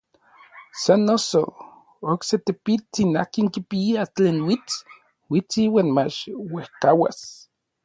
Sa noso, okse tepitsin akin kipia tlen uits, uits iuan mach uejkauas.